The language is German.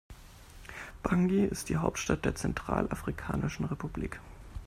Bangui ist die Hauptstadt der Zentralafrikanischen Republik.